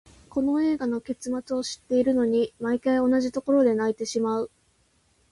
この映画、結末を知っているのに、毎回同じところで泣いてしまう。